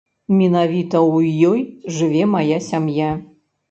Менавіта ў ёй жыве мая сям'я.